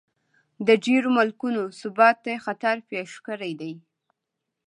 د ډېرو ملکونو ثبات ته خطر پېښ کړی دی.